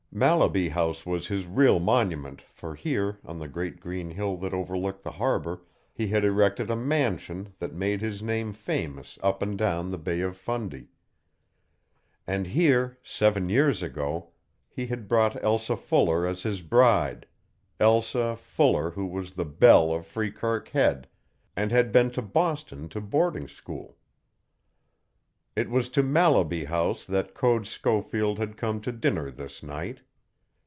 Mallaby House was his real monument, for here, on the great green hill that overlooked the harbor, he had erected a mansion that made his name famous up and down the Bay of Fundy. And here, seven years ago, he had brought Elsa Fuller as his bride Elsa Fuller who was the belle of Freekirk Head, and had been to Boston to boarding school. It was to Mallaby House that Code Schofield had come to dinner this night.